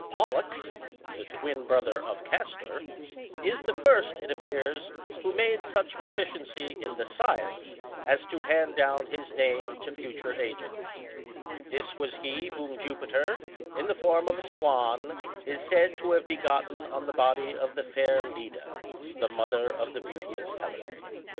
PolltuCy the twin brother of Castor, is the first, it appears, who made such proficiency in the science as to hand down his name to future ages ; ihis was he whom Jupiter, in the form of a swan, is said to have be gotten on the body of the fair Leda, the mother of the beauteous Helen.